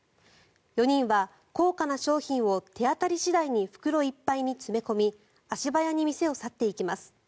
４人は、高価な商品を手当たり次第に袋いっぱいに詰め込み足早に店を去っていきます。